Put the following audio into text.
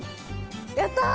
やったー。